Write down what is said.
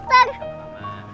makasih om dok